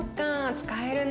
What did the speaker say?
使えるね。